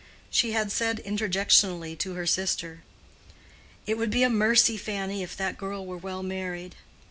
She had said interjectionally to her sister, "It would be a mercy, Fanny, if that girl were well married!"